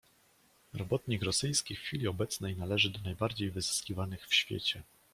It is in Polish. "Robotnik rosyjski w chwili obecnej należy do najbardziej wyzyskiwanych w świecie."